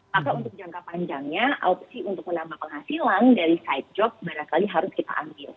maka untuk jangka panjangnya opsi untuk menambah penghasilan dari side job barangkali harus kita ambil